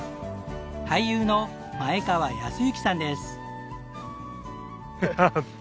俳優の前川泰之さんです。